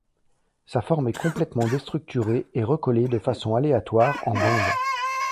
Sa forme est complètement destructurée et recollée de façon aléatoire en bande.